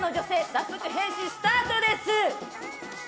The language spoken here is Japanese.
早速、変身スタートです。